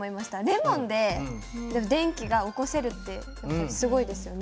レモンで電気が起こせるってやっぱりすごいですよね。